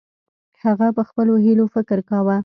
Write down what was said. هغه په خپلو هیلو فکر کاوه.